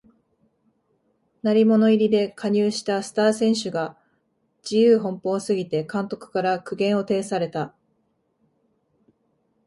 鳴り物入りで加入したスター選手が自由奔放すぎて監督から苦言を呈された